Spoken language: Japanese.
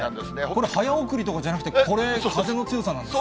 これ早送りとかじゃなくて、これ、風の強さなんですね。